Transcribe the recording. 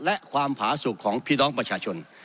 และความผาสุขของพี่น้องประชาชน